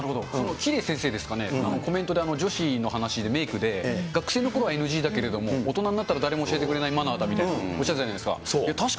綺麗先生ですかね、コメントで女子の話でメイクで、学生のころはＮＧだけれども、大人になったら誰も教えてくれないマナーみたいなことをおっしゃってたじゃないですか。